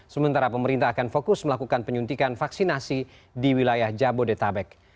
sementara pemerintah akan fokus melakukan penyuntikan vaksinasi di wilayah jabodetabek